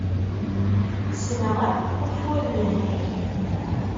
Ssneɣ akk ufuren-nnek.